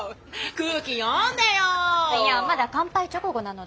いやまだ乾杯直後なので。